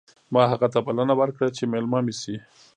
ما هغه ته بلنه ورکړه چې مېلمه مې شي